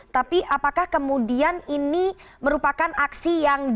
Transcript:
tapi apakah kemudian ini merupakan aksi yang dilakukan